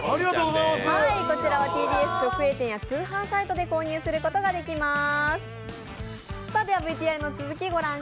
こちらはＴＢＳ直営店や通販サイトで購入することができます。